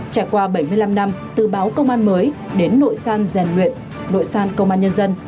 trải qua bảy mươi năm năm từ báo công an mới đến nội sàn giàn luyện nội sàn công an nhân dân